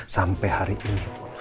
sampai hari ini pun